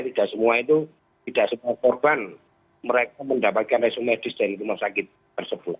tidak semua itu tidak semua korban mereka mendapatkan resumedis dari rumah sakit tersebut